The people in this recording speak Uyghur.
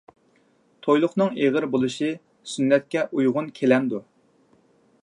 تويلۇقنىڭ ئېغىر بولۇشى سۈننەتكە ئۇيغۇن كېلەمدۇ؟